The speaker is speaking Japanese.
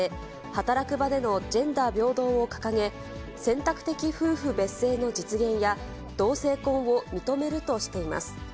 ・働く場でのジェンダー平等を掲げ、選択的夫婦別姓の実現や、同性婚を認めるとしています。